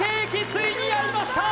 ついにやりました